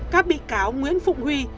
các bị cáo nguyễn phụng huy